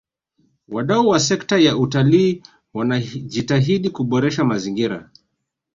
wadau wa sekta ya utalii wanajitahidi kuboresha mazingira